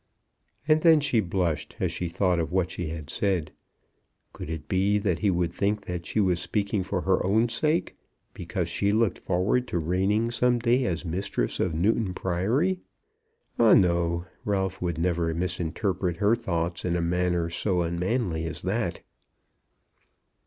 And then she blushed, as she thought of what she had said. Could it be that he would think that she was speaking for her own sake; because she looked forward to reigning some day as mistress of Newton Priory? Ah, no, Ralph would never misinterpret her thoughts in a manner so unmanly as that!